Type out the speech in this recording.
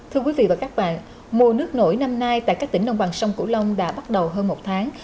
thưa quý vị và các bạn mùa nước nổi năm nay tại các tỉnh đồng bằng sông cửu long đã bắt đầu hơn một tháng